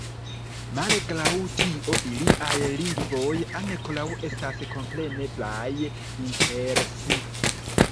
Malgraŭ tio, iliaj lingvoj ankoraŭ estas kompreneblaj inter si.